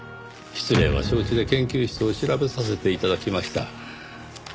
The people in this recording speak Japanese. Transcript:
失礼は承知で研究室を調べさせて頂きました。